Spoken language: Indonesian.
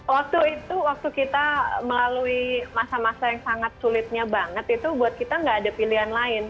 waktu itu waktu kita melalui masa masa yang sangat sulitnya banget itu buat kita gak ada pilihan lain